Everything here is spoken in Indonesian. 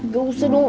gak usah dong